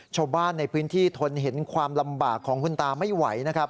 ชาวบ้านในพื้นที่ทนเห็นความลำบากของคุณตาไม่ไหวนะครับ